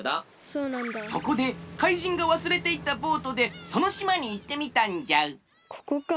そこで怪人がわすれていったボートでそのしまにいってみたんじゃここか。